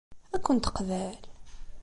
Ad ken-teqbel?